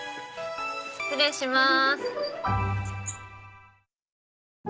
失礼します。